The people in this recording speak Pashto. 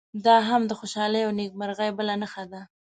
دا هم د خوشالۍ او نیکمرغۍ بله نښه ده.